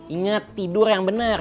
ingat tidur yang benar